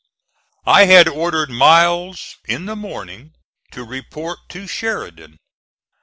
I had ordered Miles in the morning to report to Sheridan.